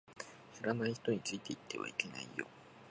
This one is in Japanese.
知らない人についていってはいけないよ